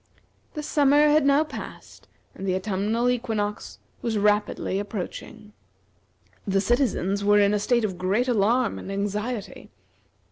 The summer had now passed, and the autumnal equinox was rapidly approaching. The citizens were in a state of great alarm and anxiety.